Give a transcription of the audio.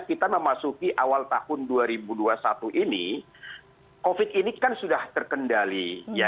kita memasuki awal tahun dua ribu dua puluh satu ini covid ini kan sudah terkendali